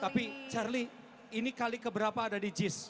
tapi charlie ini kali keberapa ada di jis